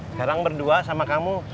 sekarang berdua sama kamu